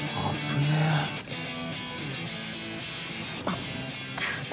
あっ。